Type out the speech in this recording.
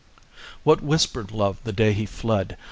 What whispered Love the day he fled?